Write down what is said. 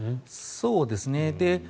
そうですね。